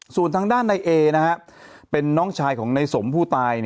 ส่วนทางด้านในเอเป็นน้องชายของนายสมผู้ตาย